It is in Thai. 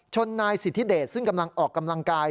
นายสิทธิเดชซึ่งกำลังออกกำลังกาย